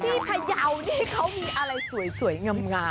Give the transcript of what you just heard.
ที่พะยาวนี่เขามีอะไรสวยเงิมงาม